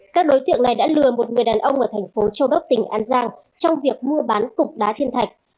các đối tượng này đã lừa một người đàn ông ở thành phố châu đốc tỉnh an giang trong việc mua bán cục đá thiên thạch